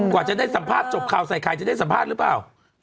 กว่าจะได้สัมภาษณ์จบข่าวใส่ไข่จะได้สัมภาษณ์หรือเปล่า